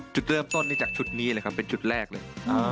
จุดเริ่มต้นนี่จากชุดนี้เลยครับเป็นชุดแรกเลย